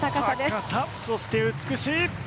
高さ、そして美しい！